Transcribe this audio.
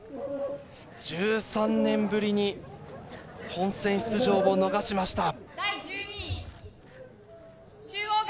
１３年ぶりに本戦出場を逃しました。